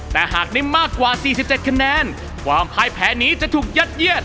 แต่หากได้มากกว่า๔๗คะแนนความพ่ายแพ้นี้จะถูกยัดเยียด